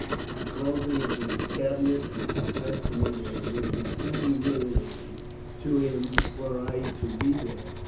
He called me into his cabinet and confessed to me that it would be too humiliating to him were I to be there.